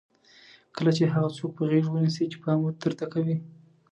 کله چې هغه څوک په غېږ ونیسئ چې پام درته کوي.